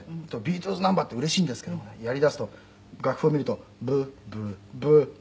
「ビートルズナンバーってうれしいんですけどもねやりだすと楽譜を見ると“ブッブッブッブッ”